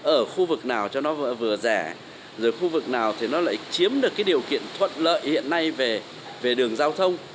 ở khu vực nào cho nó vừa rẻ rồi khu vực nào thì nó lại chiếm được cái điều kiện thuận lợi hiện nay về đường giao thông